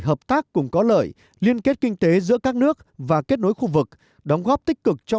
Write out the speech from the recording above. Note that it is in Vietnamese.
hợp tác cùng có lợi liên kết kinh tế giữa các nước và kết nối khu vực đóng góp tích cực cho